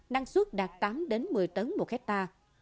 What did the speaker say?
năng suất đạt tám một mươi tấn một hecta